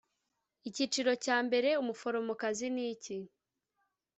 Icyiciro cya mbere Umuforomokazi niki